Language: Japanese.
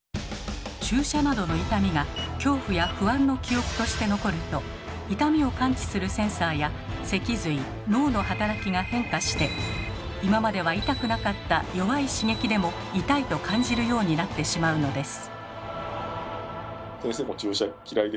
注射などの痛みが恐怖や不安の記憶として残ると痛みを感知するセンサーや脊髄脳の働きが変化して今までは痛くなかった弱い刺激でも痛いと感じるようになってしまうのです。